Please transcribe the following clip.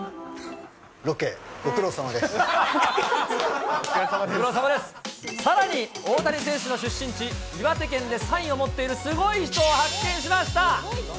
ロケ、さらに、大谷選手の出身地、岩手県でサインを持っているすごい人を発見しました。